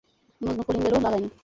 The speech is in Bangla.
মজনু কলিং বেলও লাগায় নি।